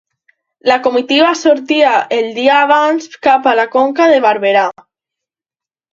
La comitiva sortia el dia abans cap a la Conca de Barberà.